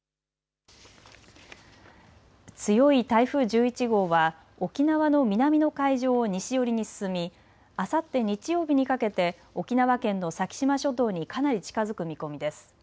強い台風１１号は沖縄の南の海上を西寄りに進みあさって日曜日にかけて沖縄県の先島諸島にかなり近づく見込みです。